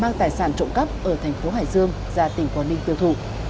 hưng là đối tượng trộm cắp ở thành phố hải dương gia tỉnh quảng ninh tiêu thụ